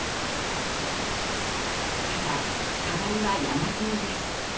ただ、課題は山積みです。